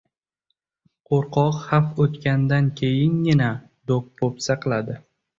Qo‘rqoq xavf o‘tgandan keyingina do‘q-po‘pisa qiladi.